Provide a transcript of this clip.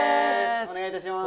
お願いいたしまーす。